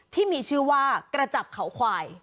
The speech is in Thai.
ที่มีชื่อว่ากระจับเขาควาย